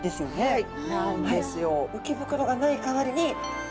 はい。